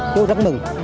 chú rất mừng